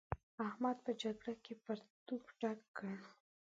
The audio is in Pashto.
احمد په جګړه کې پرتوګ ډک کړ.